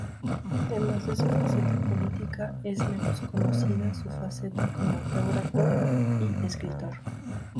Además de su faceta política es menos conocida su faceta como geógrafo y escritor.